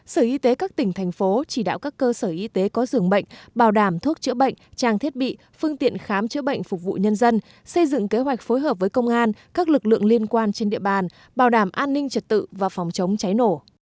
sở y tế các tỉnh thành phố chỉ đạo các cơ sở y tế có dường bệnh bảo đảm thuốc chữa bệnh trang thiết bị phương tiện khám chữa bệnh phục vụ nhân dân xây dựng kế hoạch phối hợp với công an các lực lượng liên quan trên địa bàn bảo đảm an ninh trật tự và phòng chống cháy nổ